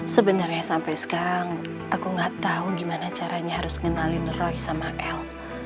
sebenarnya sampai sekarang aku gak tau gimana caranya harus kenalin roy sama el